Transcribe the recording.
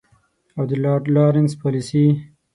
او د لارډ لارنس پالیسي.